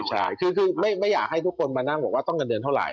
ใช่คือไม่อยากให้ทุกคนมานั่งบอกว่าต้องเงินเดือนเท่าไห